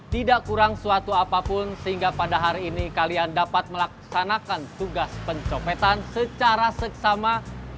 tidak kurang suatu apapun sehingga pada hari ini kalian dapat melaksanakan tugas pencopetan secara seksama